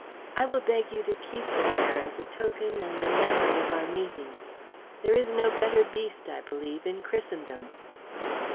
I will beg you to keep the mare as a token and a memory of our meeting. There is no better beast, I believe, in Christendom."